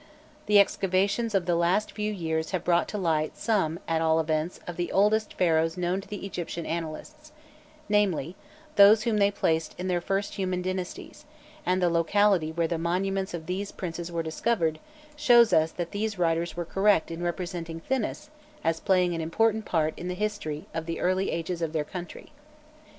The excavations of the last few years have brought to light some, at all events, of the oldest Pharaohs known to the Egyptian annalists, namely, those whom they placed in their first human dynasties; and the locality where the monuments of these princes were discovered, shows us that these writers were correct in representing Thinis as playing an important part in the history of the early ages of their country.